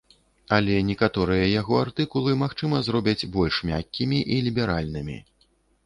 Але некаторыя яго артыкулы, магчыма, зробяць больш мяккімі і ліберальнымі.